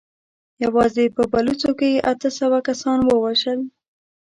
يواځې په بلوڅو کې يې اته سوه کسان ووژل.